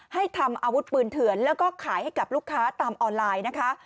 ให้ทำอาวุธปืนเถื่อนแล้วก็ขายให้กับลูกค้าตามออนไลน์นะคะ